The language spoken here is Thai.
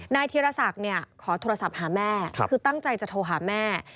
ธีรศักดิ์ขอโทรศัพท์หาแม่คือตั้งใจจะโทรหาแม่